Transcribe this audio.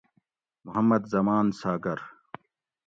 محمد زمان ساگ۟ر